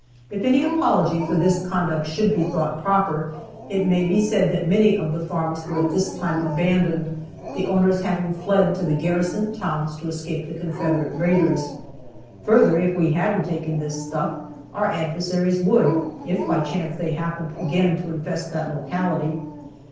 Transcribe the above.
If any apology for this line of conduct should be thought proper, it may be said that many of the farms were at this time abandoned, the owners having fled to the garrisoned towns to escape the Confederate raiders; further, if we hadn't taken this stuff our adversaries would, if by chance they happened again to infest that locality.